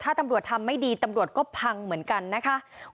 ถ้าตำรวจทำไม่ดีตำรวจก็พังเหมือนกันนะคะ